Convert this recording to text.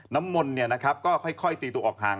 น้ำมนต์ก็ค่อยตีตัวออกห่าง